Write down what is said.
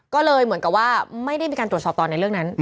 ก็เลยเหมือนกับว่าไม่ได้มีการตรวจสอบต่อในเรื่องนั้น